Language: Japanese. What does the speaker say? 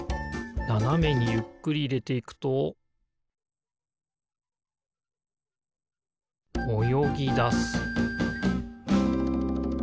ななめにゆっくりいれていくとおよぎだす